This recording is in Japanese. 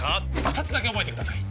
二つだけ覚えてください